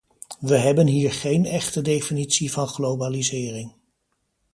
We hebben hier geen echte definitie van globalisering.